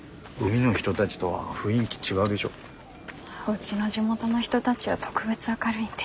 うちの地元の人たちは特別明るいんで。